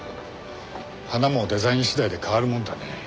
花もデザイン次第で変わるもんだね。